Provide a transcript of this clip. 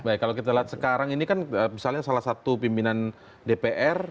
baik kalau kita lihat sekarang ini kan misalnya salah satu pimpinan dpr